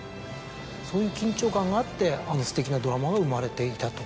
そういう緊張感があってあのすてきなドラマが生まれていたと。